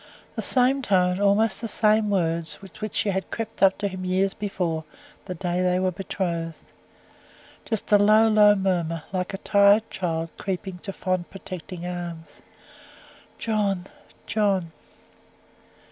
The same tone, almost the same words, with which she had crept up to him years before, the day they were betrothed. Just a low, low murmur, like a tired child creeping to fond protecting arms. "John, John!"